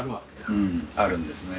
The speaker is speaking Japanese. うんあるんですね。